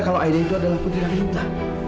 kalau aida itu adalah putri rakyat minta